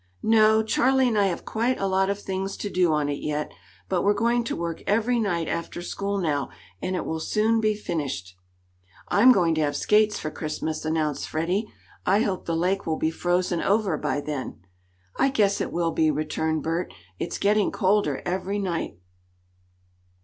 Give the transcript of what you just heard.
"No, Charley and I have quite a lot of things to do on it yet, but we're going to work every night after school now, and it will soon be finished." "I'm going to have skates for Christmas," announced Freddie. "I hope the lake will be frozen over by then." "I guess it will be," returned Bert. "It's getting colder every night."